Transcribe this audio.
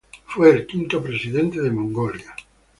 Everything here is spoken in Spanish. Fue el quinto presidente de Mongolia.